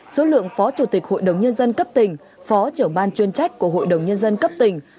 số lượng phó chủ tịch hội đồng nhân dân cấp tỉnh phó trưởng ban chuyên trách của hội đồng nhân dân cấp tỉnh